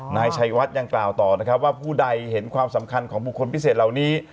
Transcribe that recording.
นายชัยวัดยังกล่าวต่อนะครับว่าผู้ใดเห็นความสำคัญของบุคคลพิเศษเหล่านี้